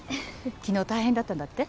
昨日大変だったんだって？